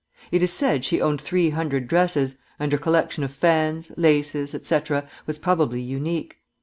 It is said she owned three hundred dresses, and her collection of fans, laces, etc., was probably unique.